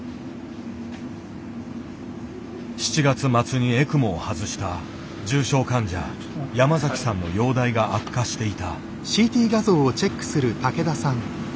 ７月末にエクモを外した重症患者山崎さんの容体が悪化していた。